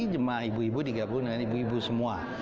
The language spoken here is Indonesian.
jemaah ibu ibu digabung dengan ibu ibu semua